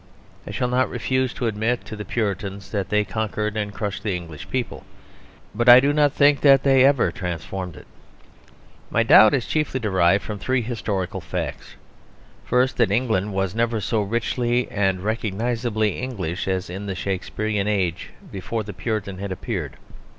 I shall not refuse to admit to the Puritans that they conquered and crushed the English people; but I do not think that they ever transformed it. My doubt is chiefly derived from three historical facts. First, that England was never so richly and recognisably English as in the Shakespearian age before the Puritan had appeared.